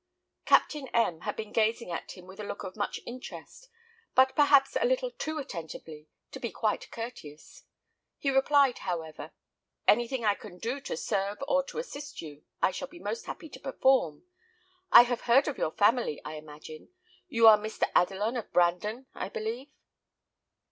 Captain M had been gazing at him with a look of much interest, but perhaps a little too attentively to be quite courteous. He replied, however, "Anything I can do to serve or to assist you I shall be most happy to perform. I have heard of your family, I imagine. You are Mr. Adelon, of Brandon, I believe?"